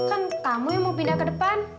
kan kamu yang mau pindah ke depan